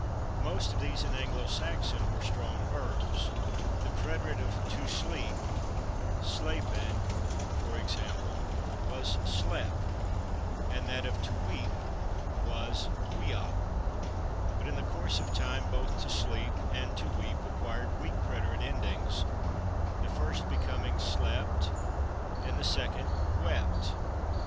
Most of these, in Anglo Saxon, were strong verbs. The preterite of /to sleep/ (/slâepan/), for example, was /slēp/, and that of /to weep/ was /weop/. But in the course of time both /to sleep/ and /to weep/ acquired weak preterite endings, the first becoming /slâepte/ and the second /wepte